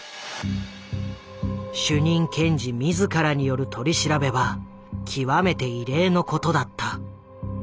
主任検事自らによる取り調べは極めて異例のことだった。